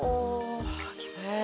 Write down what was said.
気持ちいい。